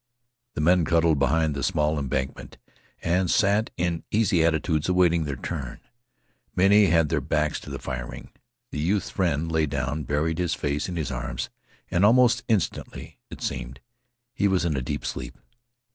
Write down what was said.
The men cuddled behind the small embankment and sat in easy attitudes awaiting their turn. Many had their backs to the firing. The youth's friend lay down, buried his face in his arms, and almost instantly, it seemed, he was in a deep sleep.